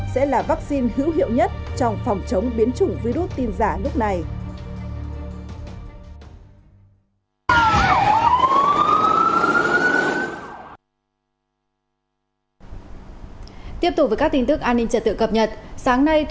sẽ là vaccine hữu hiệu nhất trong phòng chống biến chủng virus tinh dạng